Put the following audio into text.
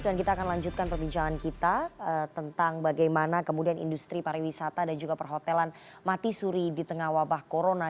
dan kita akan lanjutkan perbincangan kita tentang bagaimana kemudian industri pariwisata dan juga perhotelan mati suri di tengah wabah corona